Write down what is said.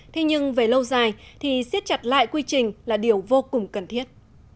thế nhưng về lâu dài thì xiết chặt lại quy trình là điều vô cùng cần thiết